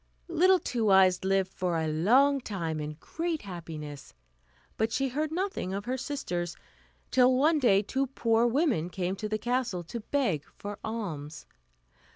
Little Two Eyes lived for a long time in great happiness; but she heard nothing of her sisters, till one day two poor women came to the castle, to beg for alms.